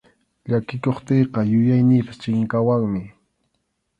Llakikuptiyqa yuyayniypas chinkawanmi.